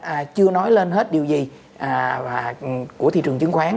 hai tuần vừa qua chưa nói lên hết điều gì của thị trường chứng khoán